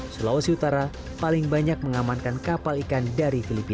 sulawesi utara paling banyak mengamankan kapal ikan dari filipina